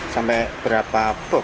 sampai berapa box